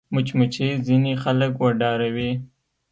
مچمچۍ ځینې خلک وډاروي